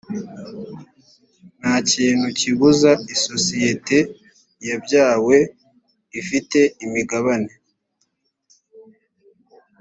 nta kintu kibuza isosiyete yabyawe ifite imigabane